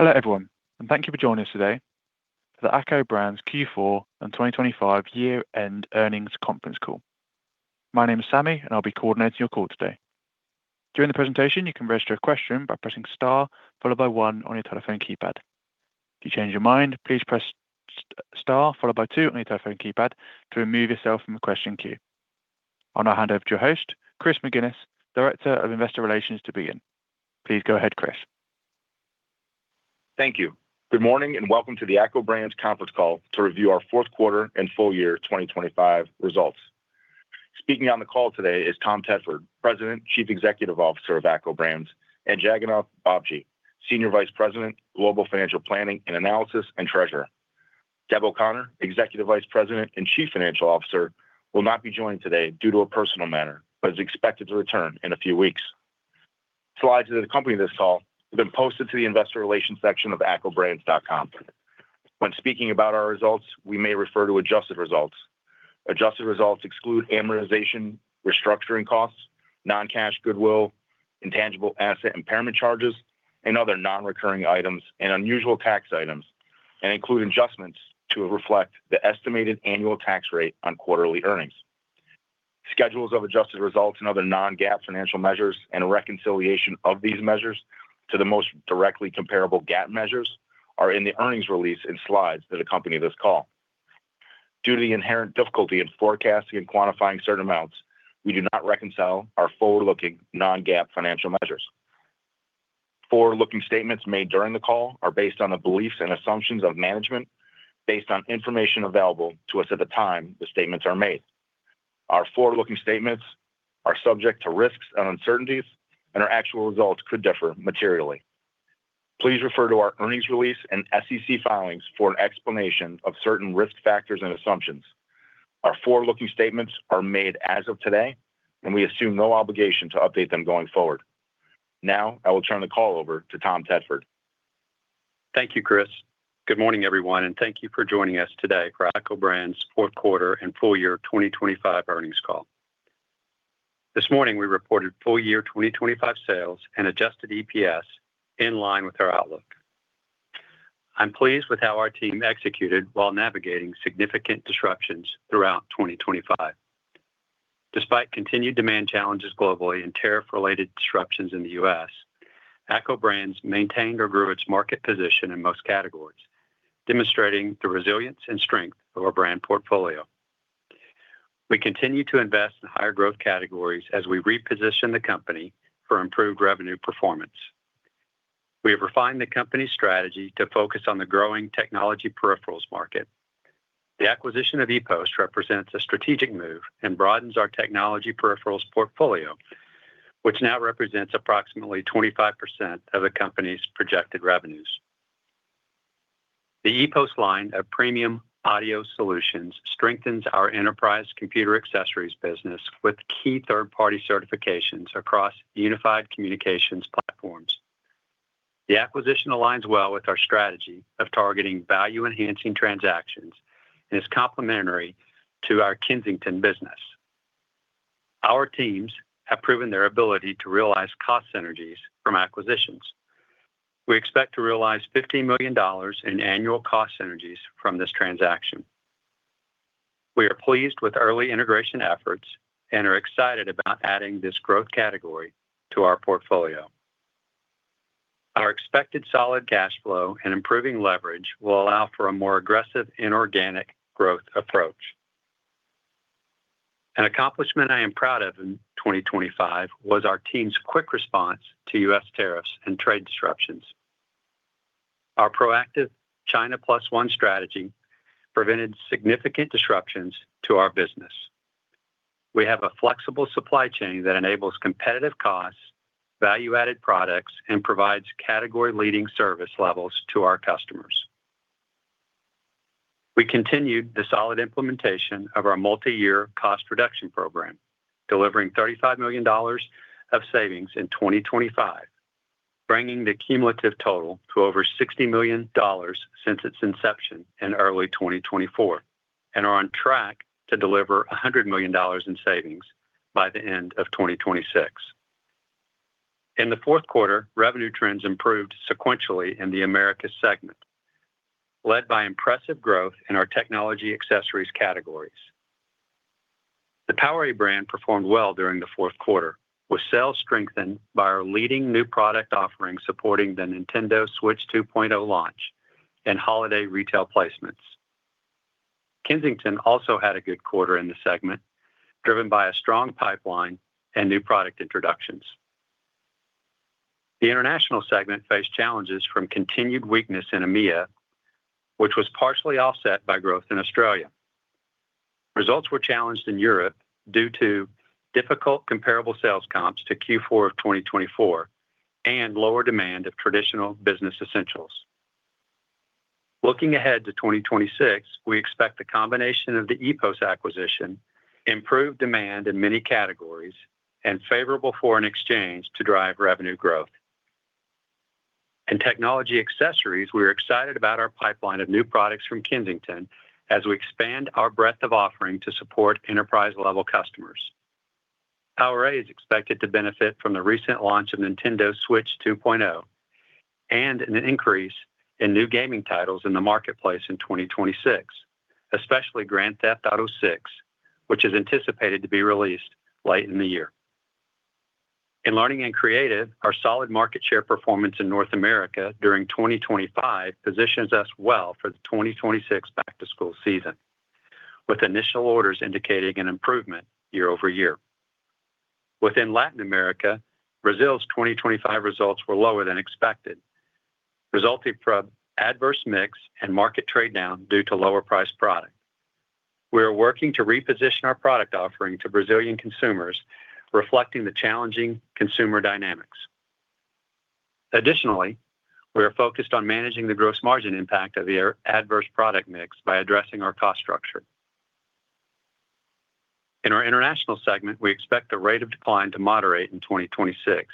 Hello, everyone, thank you for joining us today for the ACCO Brands Q4 and 2025 year-end earnings conference call. My name is Sammy, I'll be coordinating your call today. During the presentation, you can register a question by pressing Star followed by one on your telephone keypad. If you change your mind, please press Star followed by Two on your telephone keypad to remove yourself from the question queue. I'll now hand over to your host, Chris McGinnis, Director of Investor Relations, to begin. Please go ahead, Chris. Thank you. Good morning and welcome to the ACCO Brands conference call to review our fourth quarter and full year 2025 results. Speaking on the call today is Tom Tedford, President, Chief Executive Officer of ACCO Brands, and Jagannath Bobbili, Senior Vice President, Global Financial Planning and Analysis and Treasurer. Deb O'Connor, Executive Vice President and Chief Financial Officer, will not be joining today due to a personal matter, but is expected to return in a few weeks. Slides that accompany this call have been posted to the investor relations section of accobrands.com. When speaking about our results, we may refer to adjusted results. Adjusted results exclude amortization, restructuring costs, non-cash goodwill, intangible asset impairment charges, and other non-recurring items and unusual tax items, and include adjustments to reflect the estimated annual tax rate on quarterly earnings. Schedules of adjusted results and other non-GAAP financial measures and reconciliation of these measures to the most directly comparable GAAP measures are in the earnings release in slides that accompany this call. Due to the inherent difficulty in forecasting and quantifying certain amounts, we do not reconcile our forward-looking non-GAAP financial measures. Forward-looking statements made during the call are based on the beliefs and assumptions of management based on information available to us at the time the statements are made. Our forward-looking statements are subject to risks and uncertainties, and our actual results could differ materially. Please refer to our earnings release and SEC filings for an explanation of certain risk factors and assumptions. Our forward-looking statements are made as of today, and we assume no obligation to update them going forward. Now, I will turn the call over to Tom Tedford. Thank you, Chris. Good morning, everyone, and thank you for joining us today for ACCO Brands fourth quarter and full year 2025 earnings call. This morning, we reported full year 2025 sales and adjusted EPS in line with our outlook. I'm pleased with how our team executed while navigating significant disruptions throughout 2025. Despite continued demand challenges globally and tariff-related disruptions in the U.S., ACCO Brands maintained or grew its market position in most categories, demonstrating the resilience and strength of our brand portfolio. We continue to invest in higher growth categories as we reposition the company for improved revenue performance. We have refined the company's strategy to focus on the growing technology peripherals market. The acquisition of EPOS represents a strategic move and broadens our technology peripherals portfolio, which now represents approximately 25% of the company's projected revenues. The EPOS line of premium audio solutions strengthens our enterprise computer accessories business with key third-party certifications across unified communications platforms. The acquisition aligns well with our strategy of targeting value-enhancing transactions and is complementary to our Kensington business. Our teams have proven their ability to realize cost synergies from acquisitions. We expect to realize $50 million in annual cost synergies from this transaction. We are pleased with early integration efforts and are excited about adding this growth category to our portfolio. Our expected solid cash flow and improving leverage will allow for a more aggressive inorganic growth approach. An accomplishment I am proud of in 2025 was our team's quick response to U.S. tariffs and trade disruptions. Our proactive China Plus One strategy prevented significant disruptions to our business. We have a flexible supply chain that enables competitive costs, value-added products, and provides category-leading service levels to our customers. We continued the solid implementation of our multi-year cost reduction program, delivering $35 million of savings in 2025, bringing the cumulative total to over $60 million since its inception in early 2024, and are on track to deliver $100 million in savings by the end of 2026. In the fourth quarter, revenue trends improved sequentially in the Americas segment, led by impressive growth in our technology accessories categories. The PowerA brand performed well during the fourth quarter, with sales strengthened by our leading new product offerings supporting the Nintendo Switch 2 launch and holiday retail placements. Kensington also had a good quarter in the segment, driven by a strong pipeline and new product introductions. The international segment faced challenges from continued weakness in EMEA, which was partially offset by growth in Australia. Results were challenged in Europe due to difficult comparable sales comps to Q4 of 2024 and lower demand of traditional business essentials. Looking ahead to 2026, we expect the combination of the EPOS acquisition, improved demand in many categories, and favorable foreign exchange to drive revenue growth. In technology accessories, we're excited about our pipeline of new products from Kensington as we expand our breadth of offering to support enterprise-level customers. PowerA is expected to benefit from the recent launch of Nintendo Switch 2 and an increase in new gaming titles in the marketplace in 2026, especially Grand Theft Auto VI, which is anticipated to be released late in the year. In learning and creative, our solid market share performance in North America during 2025 positions us well for the 2026 back-to-school season, with initial orders indicating an improvement year-over-year. Within Latin America, Brazil's 2025 results were lower than expected, resulting from adverse mix and market trade down due to lower priced product. We are working to reposition our product offering to Brazilian consumers, reflecting the challenging consumer dynamics. Additionally, we are focused on managing the gross margin impact of the adverse product mix by addressing our cost structure. In our international segment, we expect the rate of decline to moderate in 2026,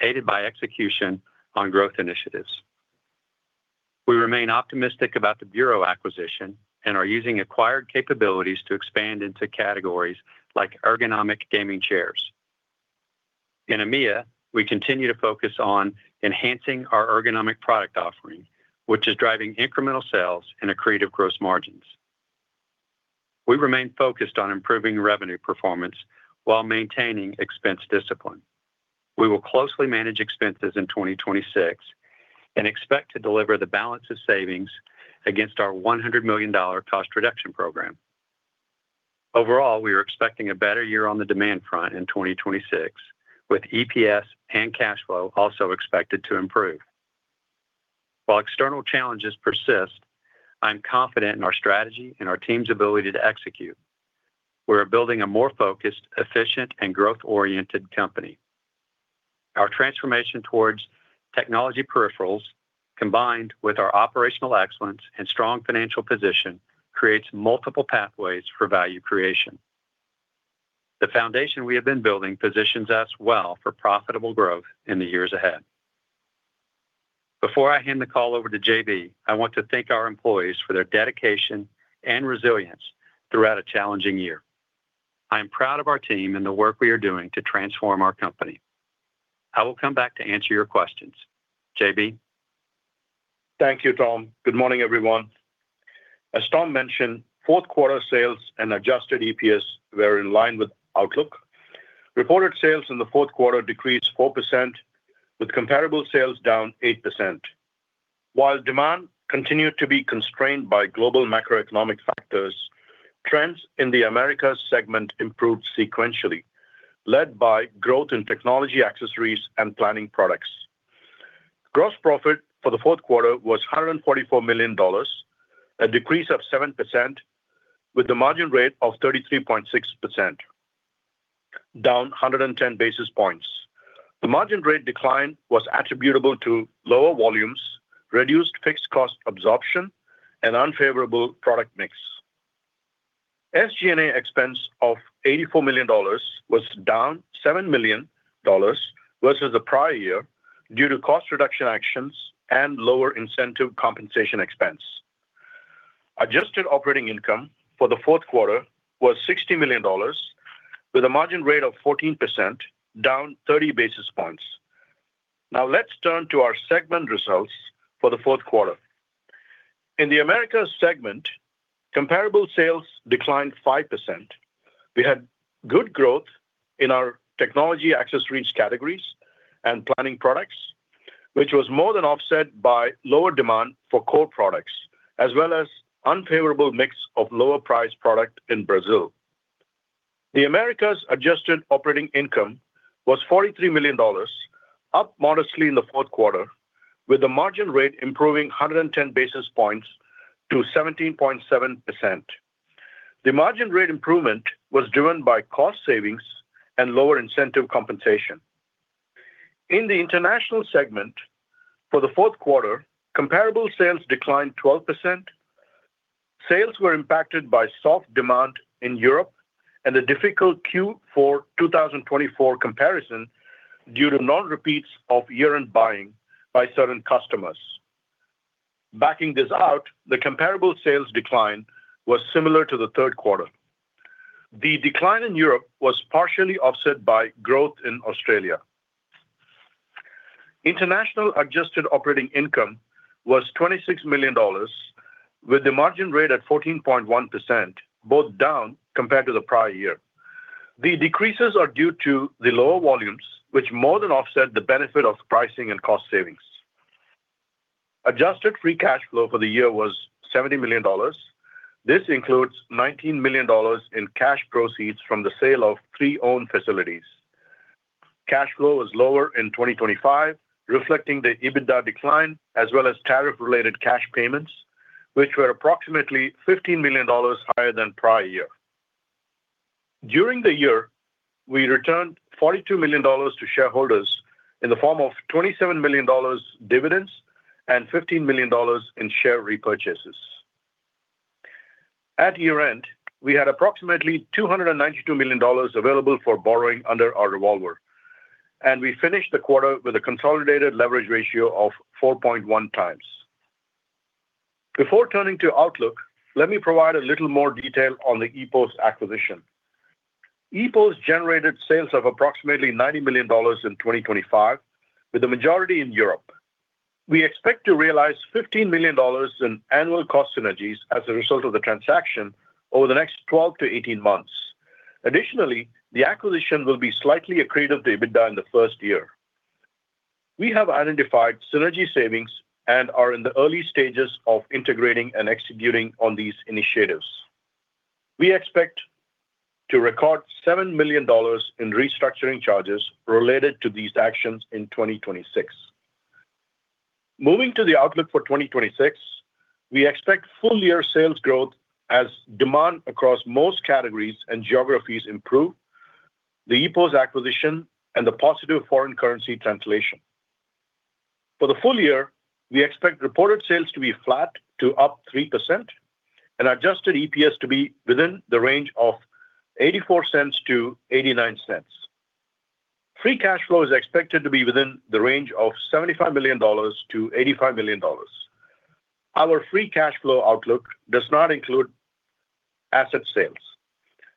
aided by execution on growth initiatives. We remain optimistic about the Buro acquisition and are using acquired capabilities to expand into categories like ergonomic gaming chairs. In EMEA, we continue to focus on enhancing our ergonomic product offering, which is driving incremental sales and accretive gross margins. We remain focused on improving revenue performance while maintaining expense discipline. We will closely manage expenses in 2026 and expect to deliver the balance of savings against our $100 million cost reduction program. Overall, we are expecting a better year on the demand front in 2026, with EPS and cash flow also expected to improve. While external challenges persist, I am confident in our strategy and our team's ability to execute. We are building a more focused, efficient, and growth-oriented company. Our transformation towards technology peripherals, combined with our operational excellence and strong financial position, creates multiple pathways for value creation. The foundation we have been building positions us well for profitable growth in the years ahead. Before I hand the call over to JB, I want to thank our employees for their dedication and resilience throughout a challenging year. I am proud of our team and the work we are doing to transform our company. I will come back to answer your questions. JB? Thank you, Tom. Good morning, everyone. As Tom mentioned, fourth quarter sales and adjusted EPS were in line with outlook. Reported sales in the fourth quarter decreased 4% with comparable sales down 8%. While demand continued to be constrained by global macroeconomic factors, trends in the Americas segment improved sequentially, led by growth in technology accessories and planning products. Gross profit for the fourth quarter was $144 million, a decrease of 7% with a margin rate of 33.6%, down 110 basis points. The margin rate decline was attributable to lower volumes, reduced fixed cost absorption, and unfavorable product mix. SG&A expense of $84 million was down $7 million versus the prior year due to cost reduction actions and lower incentive compensation expense. Adjusted operating income for the fourth quarter was $60 million, with a margin rate of 14%, down 30 basis points. Let's turn to our segment results for the fourth quarter. In the Americas segment, comparable sales declined 5%. We had good growth in our technology accessories categories and planning products, which was more than offset by lower demand for core products, as well as unfavorable mix of lower priced product in Brazil. The Americas adjusted operating income was $43 million, up modestly in the fourth quarter, with the margin rate improving 110 basis points to 17.7%. The margin rate improvement was driven by cost savings and lower incentive compensation. In the international segment for the fourth quarter, comparable sales declined 12%. Sales were impacted by soft demand in Europe and a difficult Q4 2024 comparison due to non-repeats of year-end buying by certain customers. Backing this out, the comparable sales decline was similar to the third quarter. The decline in Europe was partially offset by growth in Australia. International adjusted operating income was $26 million, with the margin rate at 14.1%, both down compared to the prior year. The decreases are due to the lower volumes, which more than offset the benefit of pricing and cost savings. Adjusted free cash flow for the year was $70 million. This includes $19 million in cash proceeds from the sale of three owned facilities. Cash flow was lower in 2025, reflecting the EBITDA decline as well as tariff related cash payments, which were approximately $15 million higher than prior year. During the year, we returned $42 million to shareholders in the form of $27 million dividends and $15 million in share repurchases. At year-end, we had approximately $292 million available for borrowing under our revolver, and we finished the quarter with a consolidated leverage ratio of 4.1x. Before turning to Outlook, let me provide a little more detail on the EPOS acquisition. EPOS generated sales of approximately $90 million in 2025, with the majority in Europe. We expect to realize $15 million in annual cost synergies as a result of the transaction over the next 12 to 18 months. Additionally, the acquisition will be slightly accretive to EBITDA in the first year. We have identified synergy savings and are in the early stages of integrating and executing on these initiatives. We expect to record $7 million in restructuring charges related to these actions in 2026. Moving to the outlook for 2026, we expect full year sales growth as demand across most categories and geographies improve, the EPOS acquisition and the positive foreign currency translation. For the full year, we expect reported sales to be flat to up 3% and adjusted EPS to be within the range of $0.84-$0.89. Free cash flow is expected to be within the range of $75 million-$85 million. Our free cash flow outlook does not include asset sales.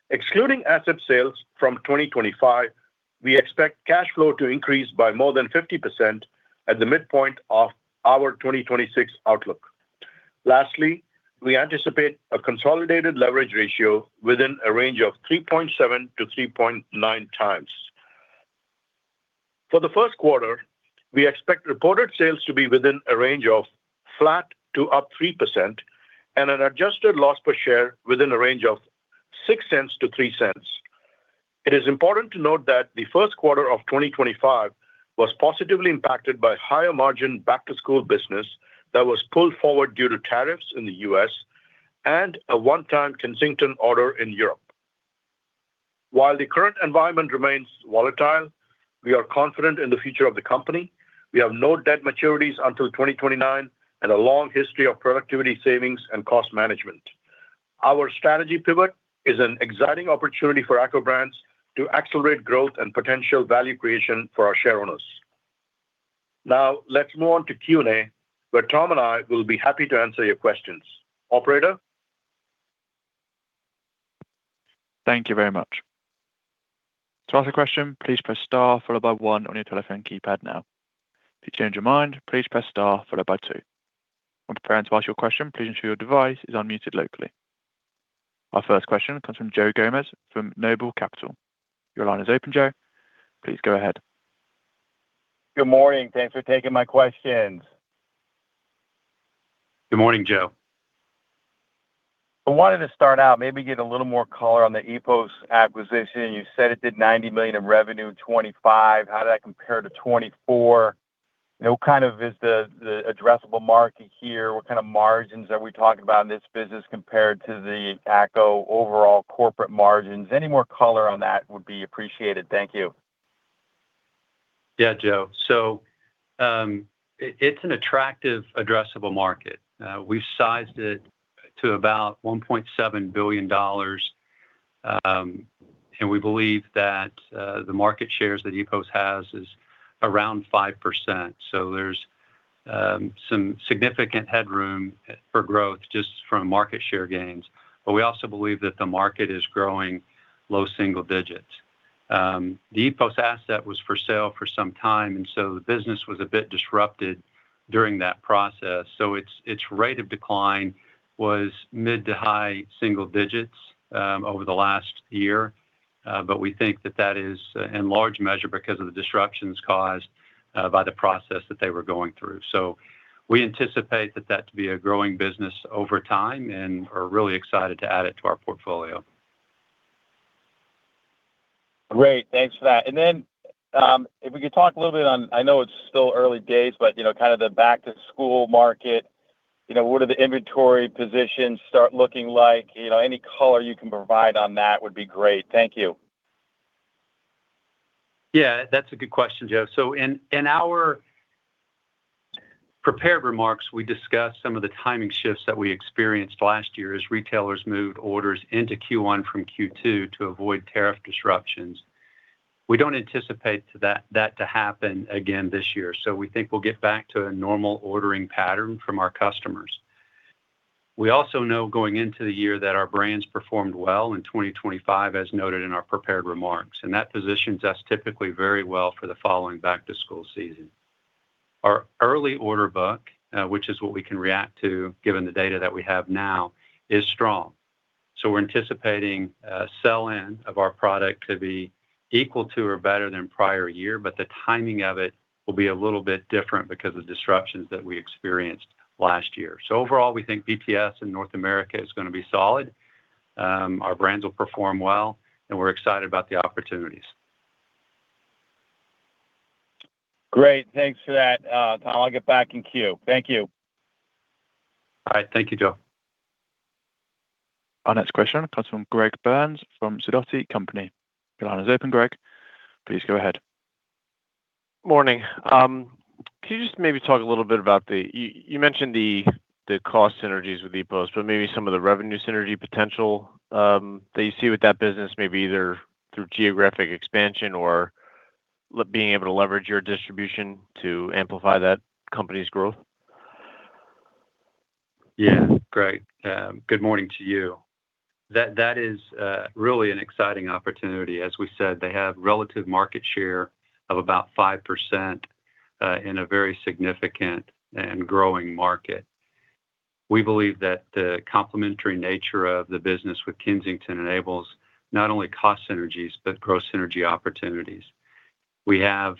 Excluding asset sales from 2025, we expect cash flow to increase by more than 50% at the midpoint of our 2026 outlook. Lastly, we anticipate a consolidated leverage ratio within a range of 3.7-3.9x. For the first quarter, we expect reported sales to be within a range of flat to up 3% and an adjusted loss per share within a range of $0.06 to $0.03. It is important to note that the first quarter of 2025 was positively impacted by higher margin back-to-school business that was pulled forward due to tariffs in the U.S. and a one-time Kensington order in Europe. While the current environment remains volatile, we are confident in the future of the company. We have no debt maturities until 2029 and a long history of productivity savings and cost management. Our strategy pivot is an exciting opportunity for ACCO Brands to accelerate growth and potential value creation for our share owners. Now let's move on to Q&A, where Tom and I will be happy to answer your questions. Operator. Thank you very much. To ask a question, please press star one on your telephone keypad now. If you change your mind, please press star two. When preparing to ask your question, please ensure your device is unmuted locally. Our first question comes from Joe Gomes from Noble Capital. Your line is open, Joe. Please go ahead. Good morning. Thanks for taking my questions. Good morning, Joe. I wanted to start out, maybe get a little more color on the EPOS acquisition. You said it did $90 million in revenue in 2025. How did that compare to 2024? What kind of is the addressable market here? What kind of margins are we talking about in this business compared to the ACCO overall corporate margins? Any more color on that would be appreciated. Thank you. Yeah, Joe. It's an attractive addressable market. We've sized it to about $1.7 billion, and we believe that the market shares that EPOS has is around 5%. There's some significant headroom for growth just from market share gains. We also believe that the market is growing low single digits. The EPOS asset was for sale for some time, and the business was a bit disrupted during that process. Its rate of decline was mid to high single digits over the last year. We think that is in large measure because of the disruptions caused by the process that they were going through. We anticipate that to be a growing business over time and are really excited to add it to our portfolio. Great. Thanks for that. If we could talk a little bit on, I know it's still early days, but you know, kind of the back-to-school market, you know, what are the inventory positions start looking like? You know, any color you can provide on that would be great. Thank you. Yeah, that's a good question, Joe. In our prepared remarks, we discussed some of the timing shifts that we experienced last year as retailers moved orders into Q1 from Q2 to avoid tariff disruptions. We don't anticipate that to happen again this year, so we think we'll get back to a normal ordering pattern from our customers. We also know going into the year that our brands performed well in 2025, as noted in our prepared remarks, and that positions us typically very well for the following back-to-school season. Our early order book, which is what we can react to given the data that we have now, is strong. We're anticipating sell-in of our product to be equal to or better than prior year, but the timing of it will be a little bit different because of disruptions that we experienced last year. Overall, we think BTS in North America is gonna be solid. Our brands will perform well, and we're excited about the opportunities. Great. Thanks for that, Tom. I'll get back in queue. Thank you. All right. Thank you, Joe. Our next question comes from Greg Burns from Sidoti Company. Your line is open, Greg. Please go ahead. Morning. Can you just maybe talk a little bit about You mentioned the cost synergies with EPOS, but maybe some of the revenue synergy potential that you see with that business, maybe either through geographic expansion or? Being able to leverage your distribution to amplify that company's growth? Yeah. Great. Good morning to you. That is really an exciting opportunity. As we said, they have relative market share of about 5%, in a very significant and growing market. We believe that the complementary nature of the business with Kensington enables not only cost synergies, but growth synergy opportunities. We have,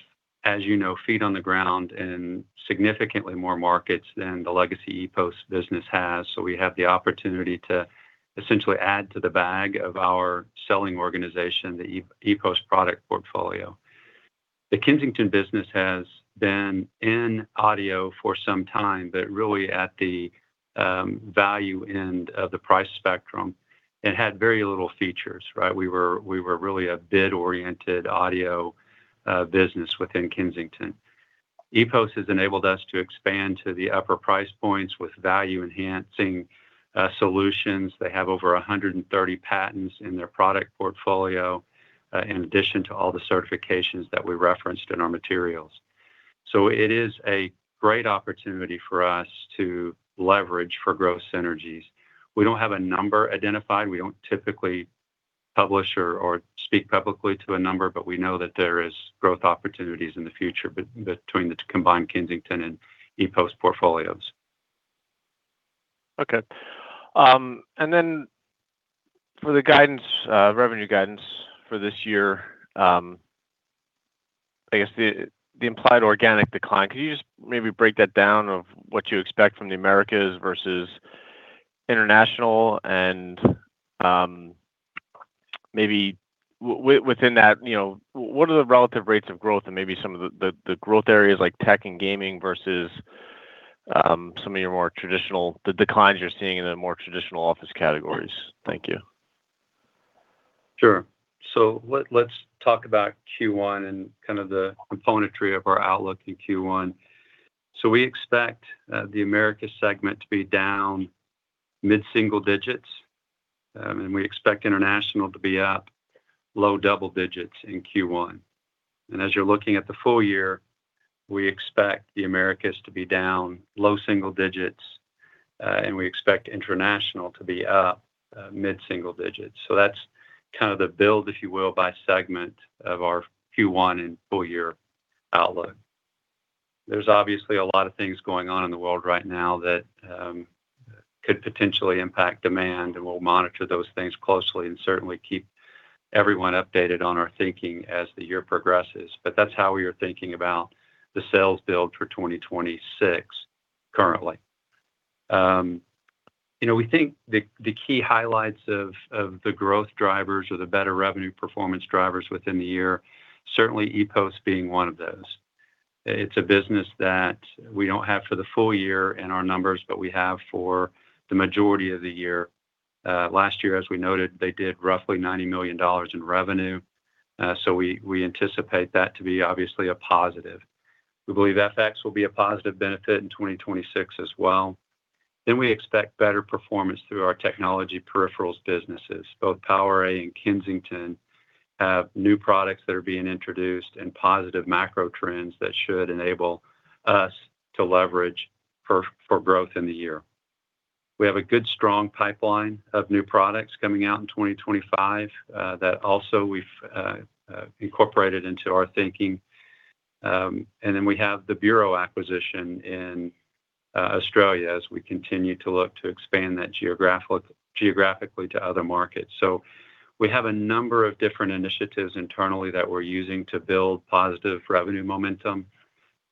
as you know, feet on the ground in significantly more markets than the legacy EPOS business has. We have the opportunity to essentially add to the bag of our selling organization, the EPOS product portfolio. The Kensington business has been in audio for some time, but really at the value end of the price spectrum, and had very little features, right? We were really a bid-oriented audio business within Kensington. EPOS has enabled us to expand to the upper price points with value-enhancing solutions. They have over 130 patents in their product portfolio, in addition to all the certifications that we referenced in our materials. It is a great opportunity for us to leverage for growth synergies. We don't have a number identified. We don't typically publish or speak publicly to a number, but we know that there is growth opportunities in the future between the combined Kensington and EPOS portfolios. Okay. For the guidance, revenue guidance for this year, I guess the implied organic decline, could you just maybe break that down of what you expect from the Americas versus international and, maybe within that, you know, what are the relative rates of growth and maybe some of the growth areas like tech and gaming versus some of your more traditional. The declines you're seeing in the more traditional office categories. Thank you. Sure. Let's talk about Q1 and kind of the componentry of our outlook in Q1. We expect the Americas segment to be down mid-single digits, and we expect international to be up low double digits in Q1. As you're looking at the full year, we expect the Americas to be down low single digits, and we expect international to be up mid-single digits. That's kind of the build, if you will, by segment of our Q1 and full year outlook. There's obviously a lot of things going on in the world right now that could potentially impact demand, and we'll monitor those things closely and certainly keep everyone updated on our thinking as the year progresses. That's how we are thinking about the sales build for 2026 currently. you know, we think the key highlights of the growth drivers or the better revenue performance drivers within the year, certainly EPOS being one of those. It's a business that we don't have for the full year in our numbers, but we have for the majority of the year. Last year, as we noted, they did roughly $90 million in revenue. So we anticipate that to be obviously a positive. We believe FX will be a positive benefit in 2026 as well. We expect better performance through our technology peripherals businesses. Both PowerA and Kensington have new products that are being introduced and positive macro trends that should enable us to leverage for growth in the year. We have a good, strong pipeline of new products coming out in 2025, that also we've incorporated into our thinking. Then we have the Buro acquisition in Australia as we continue to look to expand that geographically to other markets. We have a number of different initiatives internally that we're using to build positive revenue momentum,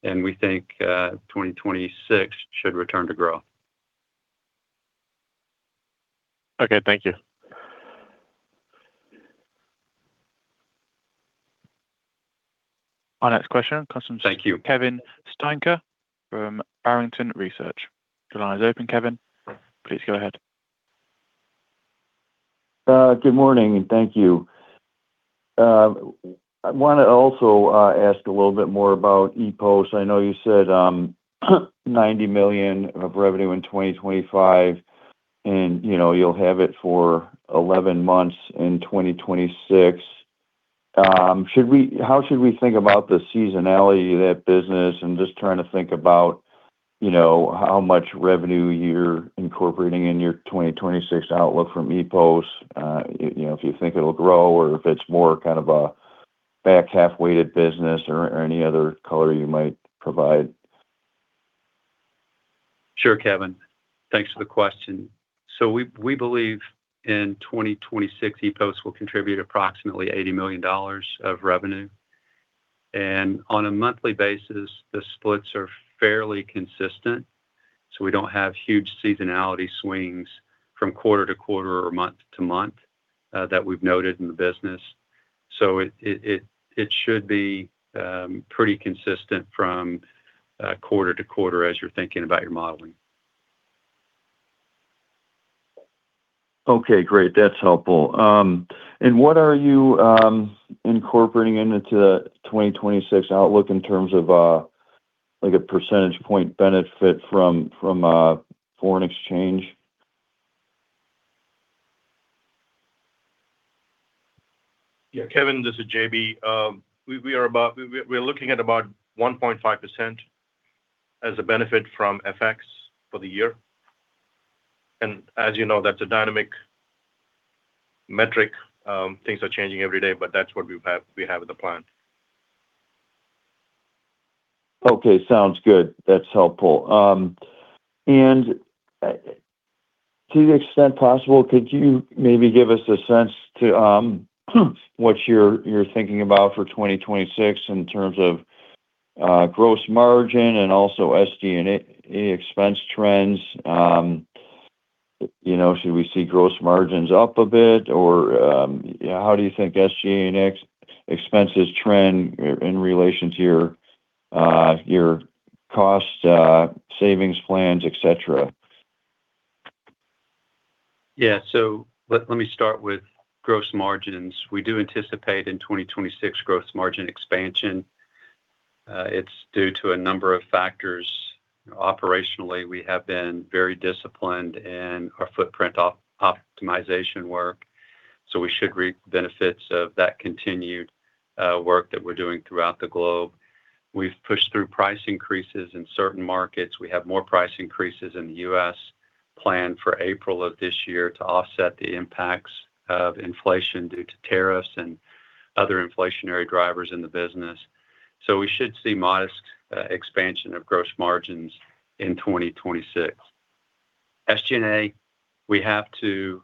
and we think 2026 should return to growth. Okay, thank you. Our next question comes from-. Thank you. Kevin Steinke from Barrington Research. The line is open, Kevin. Please go ahead. Good morning, and thank you. I wanna also ask a little bit more about EPOS. I know you said, $90 million of revenue in 2025, and, you know, you'll have it for 11 months in 2026. How should we think about the seasonality of that business and just trying to think about, you know, how much revenue you're incorporating in your 2026 outlook from EPOS, you know, if you think it'll grow or if it's more kind of a back half-weighted business or any other color you might provide? Sure, Kevin. Thanks for the question. We believe in 2026, EPOS will contribute approximately $80 million of revenue. On a monthly basis, the splits are fairly consistent, so we don't have huge seasonality swings from quarter to quarter or month to month that we've noted in the business. It should be pretty consistent from quarter to quarter as you're thinking about your modeling. Okay, great. That's helpful. What are you incorporating into the 2026 outlook in terms of, like a percentage point benefit from foreign exchange? Yeah, Kevin, this is JB. We're looking at about 1.5% as a benefit from FX for the year. As you know, that's a dynamic metric. Things are changing every day, but that's what we have in the plan. Okay. Sounds good. That's helpful. To the extent possible, could you maybe give us a sense to what you're thinking about for 2026 in terms of gross margin and also SG&A expense trends? You know, should we see gross margins up a bit, or how do you think SG&A expenses trend in relation to your cost savings plans, et cetera? Let me start with gross margins. We do anticipate in 2026 growth margin expansion. It's due to a number of factors. Operationally, we have been very disciplined in our footprint optimization work, so we should reap benefits of that continued work that we're doing throughout the globe. We've pushed through price increases in certain markets. We have more price increases in the U.S. planned for April of this year to offset the impacts of inflation due to tariffs and other inflationary drivers in the business. We should see modest expansion of gross margins in 2026. SG&A, we have to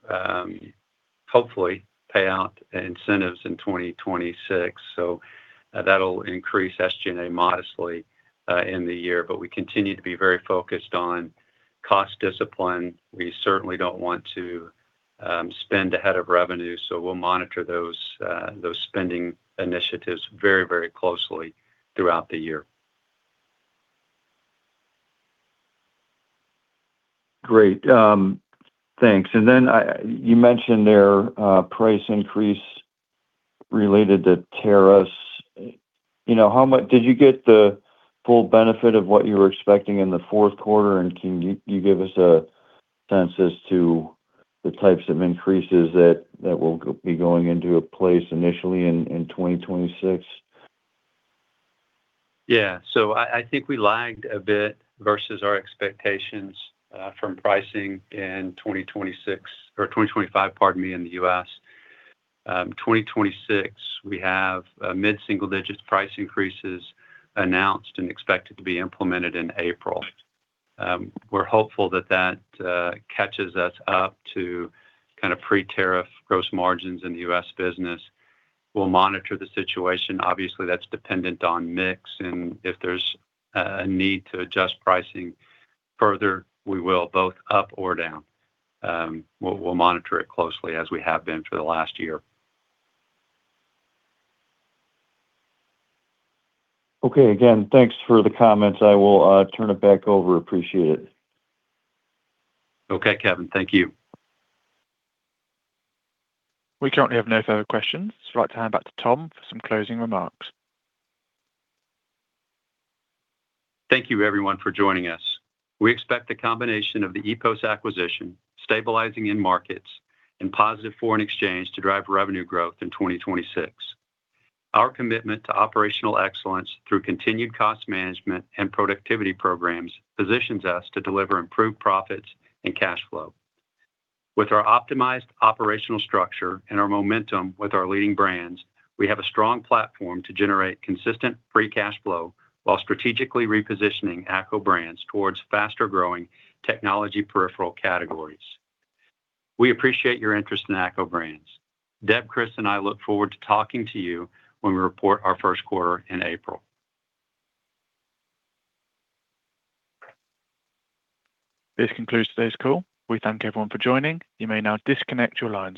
hopefully pay out incentives in 2026, that'll increase SG&A modestly in the year. We continue to be very focused on cost discipline. We certainly don't want to spend ahead of revenue, so we'll monitor those spending initiatives very, very closely throughout the year. Great. Thanks. You mentioned their price increase related to tariffs. You know, how much? Did you get the full benefit of what you were expecting in the fourth quarter? Can you give us a sense as to the types of increases that will be going into place initially in 2026? I think we lagged a bit versus our expectations from pricing in 2026 or 2025, pardon me, in the U.S. 2026, we have mid-single-digit price increases announced and expected to be implemented in April. We're hopeful that that catches us up to kind of pre-tariff gross margins in the U.S. business. We'll monitor the situation. Obviously, that's dependent on mix, and if there's a need to adjust pricing further, we will, both up or down. We'll monitor it closely as we have been for the last year. Okay. Again, thanks for the comments. I will turn it back over. Appreciate it. Okay, Kevin. Thank you. We currently have no further questions. I'd like to hand it back to Tom for some closing remarks. Thank you everyone for joining us. We expect the combination of the EPOS acquisition, stabilizing end markets, and positive foreign exchange to drive revenue growth in 2026. Our commitment to operational excellence through continued cost management and productivity programs positions us to deliver improved profits and cash flow. With our optimized operational structure and our momentum with our leading brands, we have a strong platform to generate consistent free cash flow while strategically repositioning ACCO Brands towards faster-growing technology peripheral categories. We appreciate your interest in ACCO Brands. Deb, Chris, and I look forward to talking to you when we report our first quarter in April. This concludes today's call. We thank everyone for joining. You may now disconnect your lines.